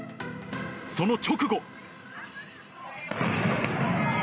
その直後。